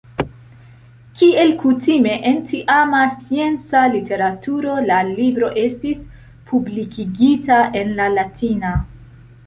Kiel kutime en tiama scienca literaturo, la libro estis publikigita en la latina.